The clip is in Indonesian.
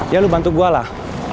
ya lu bantu gue lah